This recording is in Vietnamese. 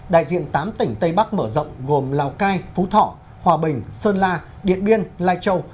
đại diện tám tỉnh tây bắc mở rộng gồm lào cai phú thọ hòa bình sơn la điện biên lai châu